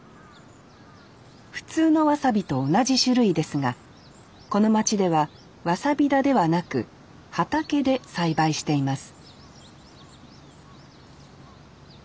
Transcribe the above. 普通のわさびと同じ種類ですがこの町ではわさび田ではなく畑で栽培しています